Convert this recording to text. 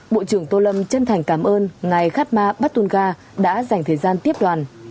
bộ trưởng tô lâm chân thành cảm ơn ngài khan ma bát tôn ga đã dành thời gian tiếp đoàn